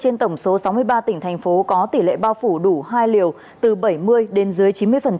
tám trên tổng số sáu mươi ba tỉnh thành phố còn lại có tỉ lệ bao phủ đủ hai liều từ bảy mươi đến dưới chín mươi